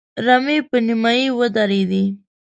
رمې په نيمايي ودرېدې.